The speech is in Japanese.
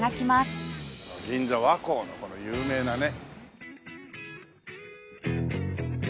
銀座・和光のこの有名なね。